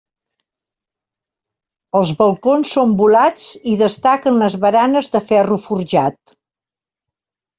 Els balcons són volats i destaquen les baranes de ferro forjat.